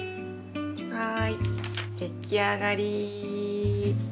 はい出来上がり！